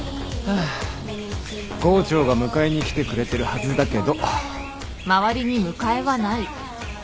郷長が迎えに来てくれてるはずだけど。